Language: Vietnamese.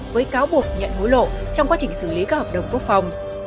với cáo buộc nhận hối lộ trong quá trình xử lý các hợp đồng quốc phòng